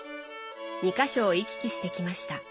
２か所を行き来してきました。